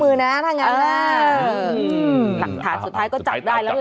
อือฐานลักฐานสุดท้ายก็จับได้แหละ